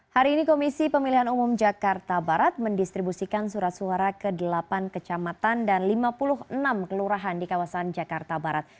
hari ini komisi pemilihan umum jakarta barat mendistribusikan surat suara ke delapan kecamatan dan lima puluh enam kelurahan di kawasan jakarta barat